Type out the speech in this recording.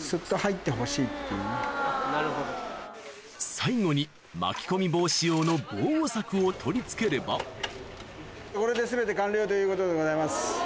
最後に巻き込み防止用の防護柵を取り付ければこれで全て完了ということでございます。